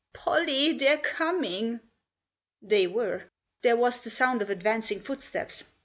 " Pollie !— they're coming !" They were. There was the sound of advancing footsteps.